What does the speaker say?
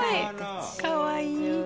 かわいい。